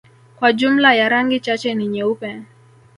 kwa jumla ya rangi chache ni nyeupe